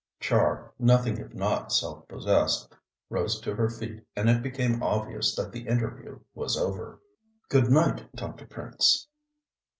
Char, nothing if not self possessed, rose to her feet, and it became obvious that the interview was over. "Good night, Dr. Prince."